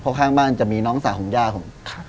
เพราะข้างบ้านจะมีน้องสาวของย่าผม